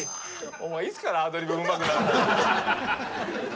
お前いつからアドリブうまくなった。